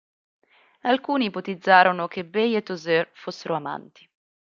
Alcuni ipotizzarono che Bay e Tausert fossero amanti.